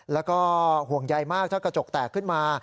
แล้วก็ห่วงใยมากถ้ากระจกแตกขึ้นมา